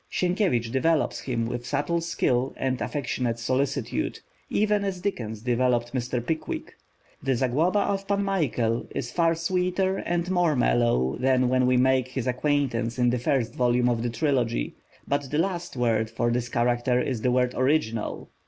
Sienkiewicz develops him with subtle skill and affectionate solicitude, even as Dickens developed Mr. Pickwick; the Zagloba of Pan Michael is far sweeter and more mellow than when we make his acquaintance in the first volume of the Trilogy; but the last word for this character is the word "original."